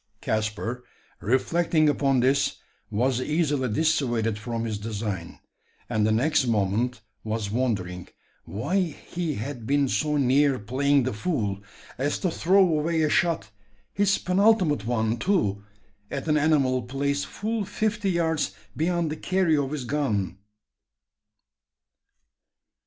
Caspar, reflecting upon this, was easily dissuaded from his design; and the next moment was wondering why he had been so near playing the fool as to throw away a shot his penultimate one, too at an animal placed full fifty yards beyond the carry of his gun!